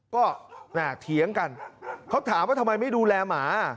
ก็เถียงกันเขาถามว่าทำไมไม่ดูแลหมา